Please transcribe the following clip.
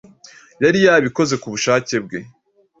Yari yabikoze ku bushake bwe